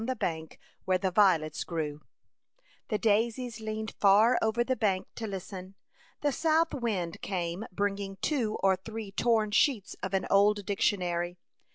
'■♦•■•'.^ 5 A Chautauqua Idyl. 45 The daisies leaned far over the bank to listen. The south wind came bringing two or three torn sheets of an old dic tionary.